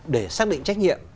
để xác định trách nhiệm